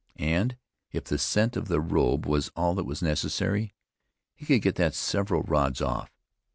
And, if the scent of the robe was all that was necessary, he could get that several rods off.